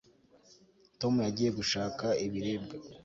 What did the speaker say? tom yagiye gushaka ibiribwa